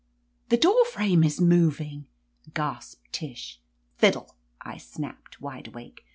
The door frame is moving !" gasped Tish. Tiddle!" I snapped, wide awake.